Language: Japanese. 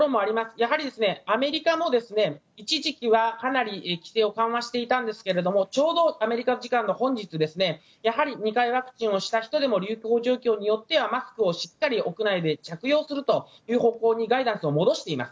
やはりアメリカも一時期はかなり規制を緩和していたんですがちょうどアメリカ時間の本日やはり２回ワクチンをした人でも流行状況によってはマスクをしっかり屋内で着用するという方向にガイダンスを戻しています。